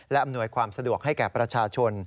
และอำนวยความสะดวกให้แก่ประชาชน